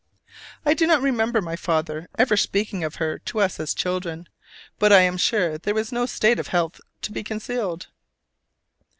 I do not remember my father ever speaking of her to us as children: but I am sure there was no state of health to be concealed.